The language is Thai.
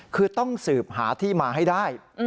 คือต้องสืบหาที่มาให้ได้